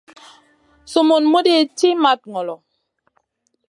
Sumun muɗi ci mat ŋolo.